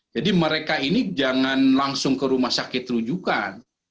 jadi mereka ini jangan langsung ke rumah sakit rujukan